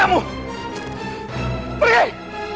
pertunjukan pun selesai